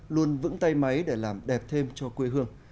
luôn vững tay máy để làm đẹp thêm cho quê hương